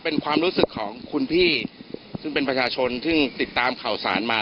เป็นของคุณพี่ซึ่งเป็นคนชของคนชที่ติดตามแขวสาญมา